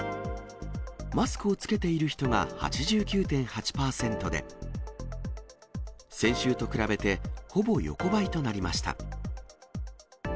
マスクを着けている人が８９．８％で、先週と比べて、ほぼ横ばいとなりました。